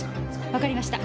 わかりました。